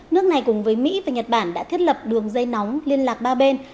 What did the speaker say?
nước này cùng với mỹ và nhật bản đã thiết lập đường dây nóng liên lạc ba bên